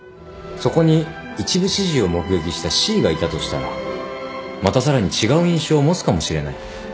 そこに一部始終を目撃したＣがいたとしたらまたさらに違う印象を持つかもしれない。